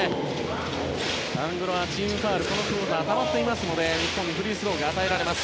アンゴラはチームファウルこのクオーターたまっていますので日本にフリースローが与えられます。